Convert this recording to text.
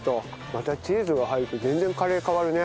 またチーズが入ると全然カレー変わるね。